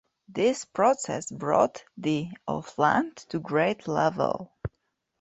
This process brought the of land to grade level.